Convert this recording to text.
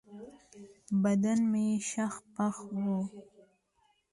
بدن مې شخ پخ و.